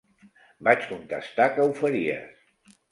Vaig contestar que ho faries.